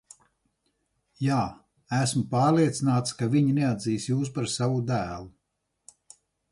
Jā, esmu pārliecināts, ka viņi neatzīs jūs par savu dēlu.